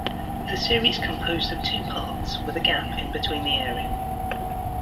The series composed of two parts, with a gap in between the airing.